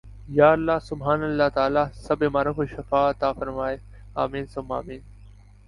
یا اللّٰہ سبحان اللّٰہ تعالی سب بیماروں کو شفاء عطاء فرمائے آمین ثم آمین